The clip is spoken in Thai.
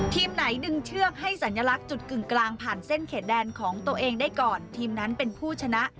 ทีมไหนดึงเชือกให้สัญลักษณ์จุดกึ่งกลางผ่านเส้นเขตแดนของตัวเองได้ก่อนทีมนั้นเป็นผู้ชนะ